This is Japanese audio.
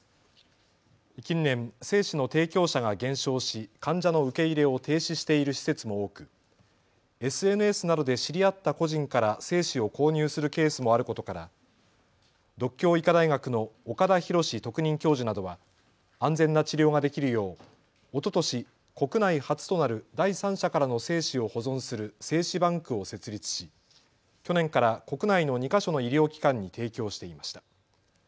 近年、精子の提供者が減少し患者の受け入れを停止している施設も多くＳＮＳなどで知り合った個人から精子を購入するケースもあることから獨協医科大学の岡田弘特任教授などは安全な治療ができるようおととし国内初となる第三者からの精子を保存する精子バンクを設立し去年から国内の２か所の医療機関に提供していました。